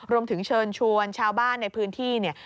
รวมถึงเชิญชวนชาวบ้านในพื้นที่เนี่ย